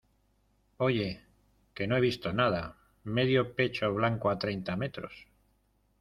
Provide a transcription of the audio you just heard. oye, que no he visto nada , medio pecho blanco a treinta metros.